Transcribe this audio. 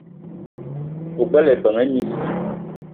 O gbele ebeng e miss :